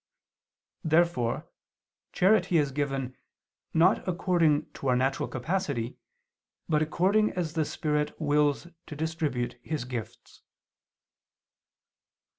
Therefore charity is given, not according to our natural capacity, but according as the Spirit wills to distribute His gifts.